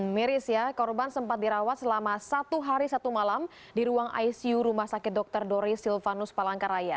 miris ya korban sempat dirawat selama satu hari satu malam di ruang icu rumah sakit dr dori silvanus palangkaraya